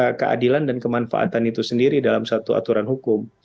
menjaga keadilan dan kemanfaatan itu sendiri dalam satu aturan hukum